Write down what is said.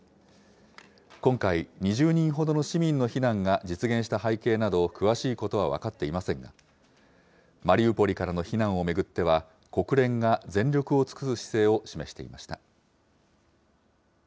今回、２０人ほどの市民の避難が実現した背景など、詳しいことは分かっていませんが、マリウポリからの避難を巡っては、国連が全力を尽くす姿勢を示していました。